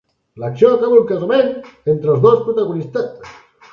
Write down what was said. L'acció acaba en un casament entre els dos protagonistes.